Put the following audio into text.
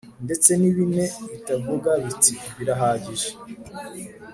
ndetse ni bine bitavuga biti ‘birahagije’: